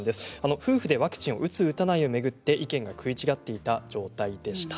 夫婦でワクチンを打つ打たないを巡って意見が食い違っていた状態でした。